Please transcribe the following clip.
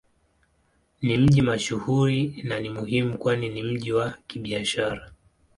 Ni mji mashuhuri na ni muhimu kwani ni mji wa Kibiashara.